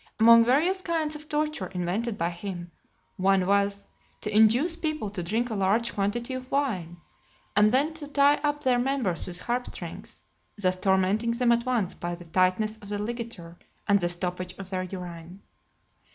Among various kinds of torture invented by him, one was, to induce people to drink a large quantity of wine, and then to tie up their members with harp strings, thus tormenting them at once by the tightness of the ligature, and the stoppage of their urine.